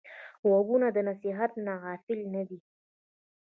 غوږونه د نصیحت نه غافل نه دي